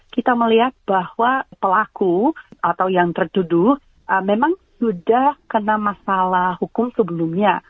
kita melihat bahwa pelaku atau yang tertuduh memang sudah kena masalah hukum sebelumnya